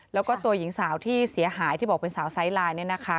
แล้วก็ตัวหญิงสาวที่เสียหายที่บอกเป็นสาวไซส์ไลน์